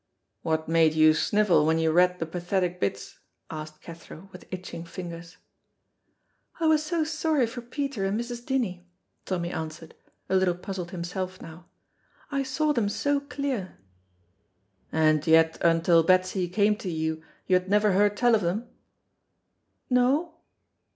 "What made you snivel when you read the pathetic bits?" asked Cathro, with itching fingers. "I was so sorry for Peter and Mrs. Dinnie," Tommy answered, a little puzzled himself now. "I saw them so clear." "And yet until Betsy came to you, you had never heard tell of them?" "No."